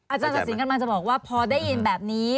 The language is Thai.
ตัดสินกำลังจะบอกว่าพอได้ยินแบบนี้